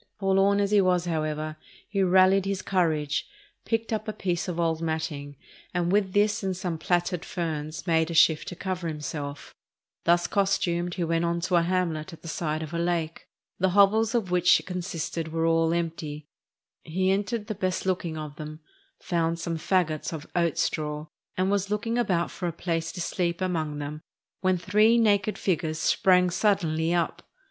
Forlorn as he was, however, he rallied his courage, picked up a piece of old matting, and with this and some plaited ferns made a shift to cover himself; thus costumed he went on to a hamlet at the side of a lake; the hovels of which it consisted were all empty; he entered the best looking of them, found some fagots of oat straw, and was looking about for a place to sleep among them, when three naked figures sprang suddenly up.